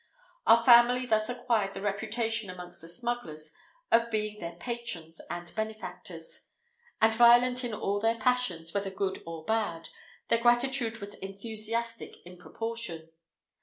Our family thus acquired the reputation amongst the smugglers of being their patrons and benefactors; and violent in all their passions, whether good or bad, their gratitude was enthusiastic in proportion.